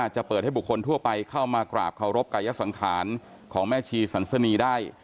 จะเปิดให้บุคคลทั่วไปเข้ามากราบเคารพกายสังขารของแม่ชีสันสนีได้